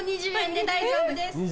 で大丈夫です。